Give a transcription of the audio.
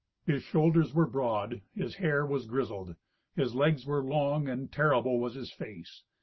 His shoulders were broad, his hair was grisled; his legs were long, and terrible was his face.